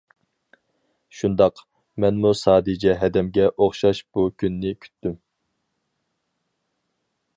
شۇنداق، مەنمۇ ساجىدە ھەدەمگە ئوخشاش بۇ كۈننى كۈتتۈم.